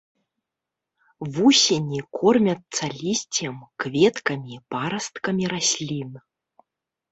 Вусені кормяцца лісцем, кветкамі, парасткамі раслін.